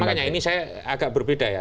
makanya ini saya agak berbeda ya